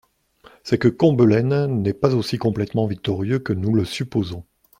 C'est que Combelaine n'est pas aussi complètement victorieux que nous le supposons.